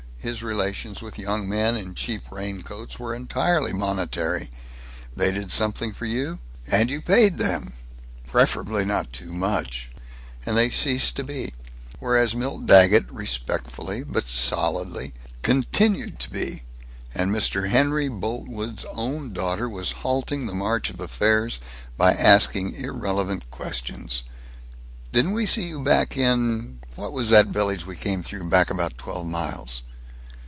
His relations with young men in cheap raincoats were entirely monetary. They did something for you, and you paid them preferably not too much and they ceased to be. Whereas Milt Daggett respectfully but stolidly continued to be, and Mr. Henry Boltwood's own daughter was halting the march of affairs by asking irrelevant questions: "Didn't we see you back in what was that village we came through back about twelve miles?"